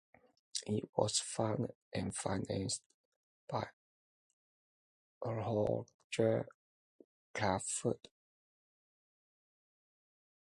It was founded and financed by Holger Crafoord.